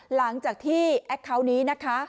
หลังจากที่แอคเคาน์นี้นะคะ